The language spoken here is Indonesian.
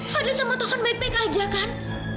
fadli sama tovan baik baik aja kan